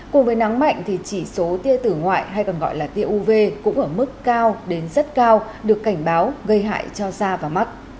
cùng với nắng mạnh thì chỉ số tia tử ngoại hay còn gọi là tia uv cũng ở mức cao đến rất cao được cảnh báo gây hại cho da và mắt